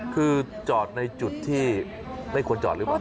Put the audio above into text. คือจอดในจุดที่ไม่ควรจอดหรือเปล่า